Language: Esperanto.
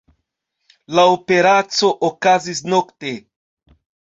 La operaco okazis nokte.